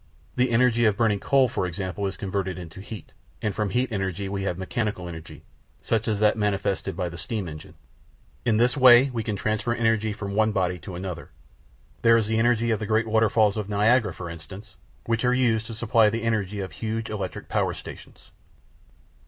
The energy of burning coal, for example, is converted into heat, and from heat energy we have mechanical energy, such as that manifested by the steam engine. In this way we can transfer energy from one body to another. There is the energy of the great waterfalls of Niagara, for instance, which are used to supply the energy of huge electric power stations.